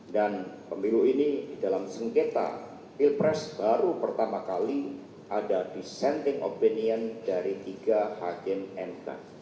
dan pemilu ini di dalam sengketa ilpres baru pertama kali ada dissenting opinion dari tiga hakim mk